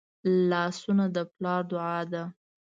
لاسونه د پلار دعا ده